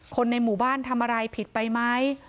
คนในหมู่บ้านทำอะไรผิดไปไหม